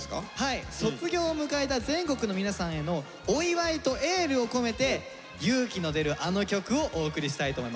卒業を迎えた全国の皆さんへのお祝いとエールを込めて勇気の出るあの曲をお送りしたいと思います。